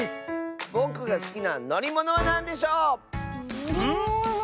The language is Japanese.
ぼくがすきなのりものはなんでしょう⁉のりもの？